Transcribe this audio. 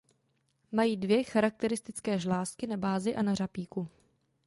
Mají dvě charakteristické žlázky na bázi a na řapíku.